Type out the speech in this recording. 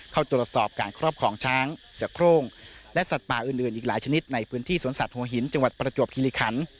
เข้าตรวจสอบการครอบครองช้างเสือโครงและสัตว์ป่าอื่นอีกหลายชนิดในพื้นที่สวนสัตว์หัวหินจังหวัดประจวบคิริคัน